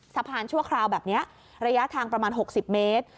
ชั่วคราวแบบนี้ระยะทางประมาณ๖๐เมตร